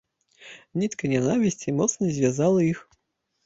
Нітка нянавісці моцна звязала іх.